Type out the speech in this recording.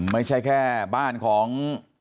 ไม่ใช่แค่บ้านของ